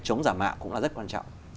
chống giả mạo cũng là rất quan trọng